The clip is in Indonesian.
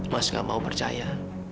mas gak mau percaya